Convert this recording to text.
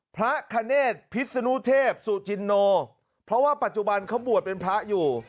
พระคเนธพิษนุเทพสุจินโนเพราะว่าปัจจุบันเขาบวชเป็นพระอยู่